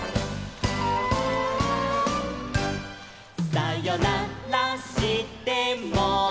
「さよならしても」